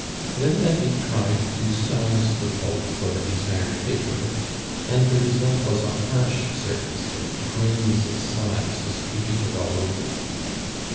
Then David tried to size the pulp for the desired paper, and the result was a harsh surface with grains of size distributed all over it.